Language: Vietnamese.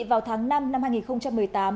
vào tháng năm năm hai nghìn hai mươi một